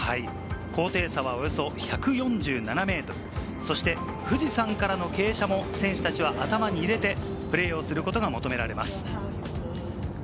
高低差はおよそ１４７ｍ、そして富士山からの傾斜も選手たちは頭に入れてプレーをすることが求められます。